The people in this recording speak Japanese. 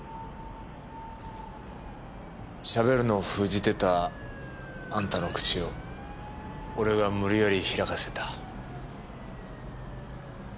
喋るの封じてたあんたの口を俺が無理やり開かせた。